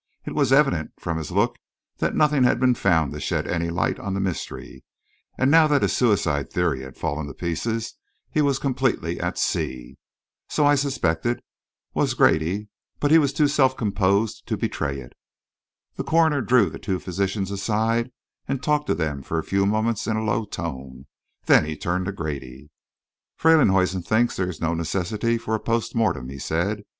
It was evident from his look that nothing had been found to shed any light on the mystery; and now that his suicide theory had fallen to pieces, he was completely at sea. So, I suspected, was Grady, but he was too self composed to betray it. The coroner drew the two physicians aside and talked to them for a few moments in a low tone. Then he turned to Grady. "Freylinghuisen thinks there is no necessity for a post mortem," he said.